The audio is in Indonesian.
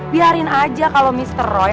biarin aja kalau mr roy